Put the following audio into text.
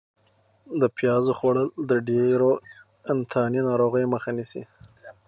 د پیازو خوړل د ډېرو انتاني ناروغیو مخه نیسي.